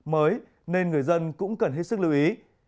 mới nên người dân cũng cần hết sức lưu ý